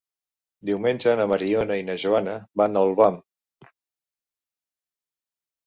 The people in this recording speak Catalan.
Diumenge na Mariona i na Joana van a Olvan.